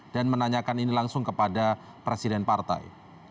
dan menanyakan ini langsung kepada presiden partai